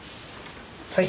はい。